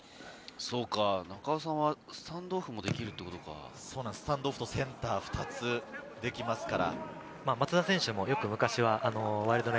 中尾さんはスタンドオフスタンドオフとセンター、２つできますから。